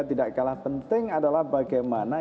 tidak kalah penting adalah bagaimana